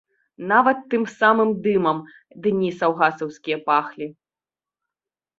Нават тым самым дымам дні саўгасаўскія пахлі.